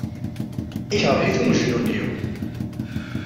Ikṛeh-it umejnun-iw.